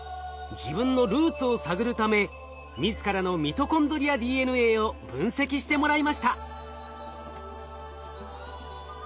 自分のルーツを探るため自らのミトコンドリアＤＮＡを分析してもらいました。